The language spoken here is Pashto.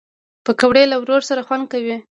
پکورې له ورور سره خوند کوي